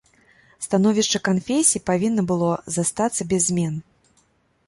Становішча канфесій павінны было застацца без змен.